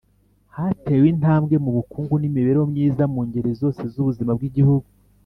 Hatewe intambwe mu Bukungu n’Imibereho myiza mu ngeri zose z’ubuzima bw’Igihugu